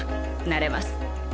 なれます。